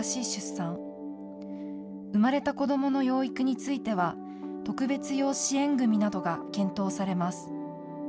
産まれた子どもの養育については、特別養子縁組などが検討されます。